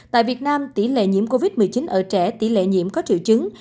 tại việt nam tỷ lệ nhiễm covid một mươi chín ở trẻ tỷ lệ nhiễm có triệu chứng